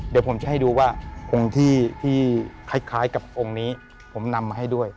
เดี๋ยวผมจะให้ดูว่าองค์ที่คล้ายกับองค์นี้ผมนำมาให้ด้วย